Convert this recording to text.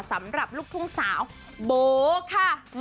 สำหรับลูกทุ่งสาวโบ๊ค่ะ